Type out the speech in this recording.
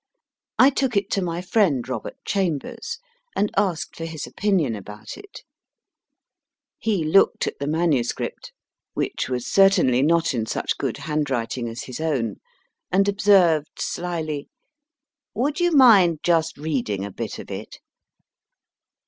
I took it to my friend, Robert Chambers, and asked for his opinion about it. He looked at the manuscript, which was cer tainly not in such good hand WOULD YOU MIND JUST READING A BIT OF IT ? writing as his own, and observed slyly Would you mind just read ing a bit of it